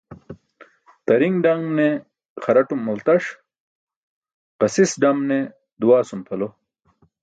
Tari̇ṅ dam ne xaraṭum maltaş, ġasis dam ne duwaasum pʰalo.